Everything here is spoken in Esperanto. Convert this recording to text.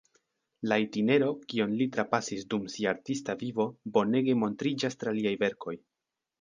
La itinero, kion li trapasis dum sia artista vivo, bonege montriĝas tra liaj verkoj.